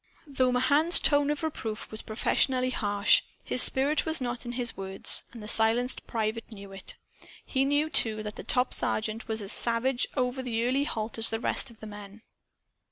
Though Mahan's tone of reproof was professionally harsh, his spirit was not in his words. And the silenced private knew it. He knew, too, that the top sergeant was as savage over the early halt as were the rest of the men.